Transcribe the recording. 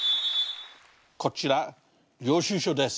こちら領収書です。